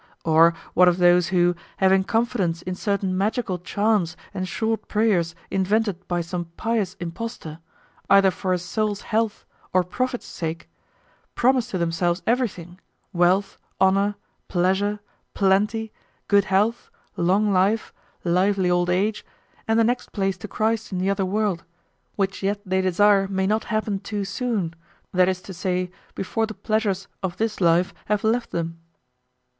Or what of those who, having confidence in certain magical charms and short prayers invented by some pious imposter, either for his soul's health or profit's sake, promise to themselves everything: wealth, honor, pleasure, plenty, good health, long life, lively old age, and the next place to Christ in the other world, which yet they desire may not happen too soon, that is to say before the pleasures of this life have left them?